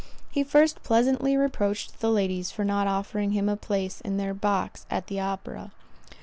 He first pleasantly reproached the ladies for not offering him a place in their box at the opera.